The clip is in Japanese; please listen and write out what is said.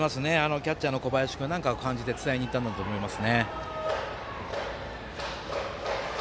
キャッチャーの小林君何かを感じて伝えにいったんだと思います。